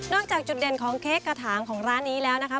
จากจุดเด่นของเค้กกระถางของร้านนี้แล้วนะคะ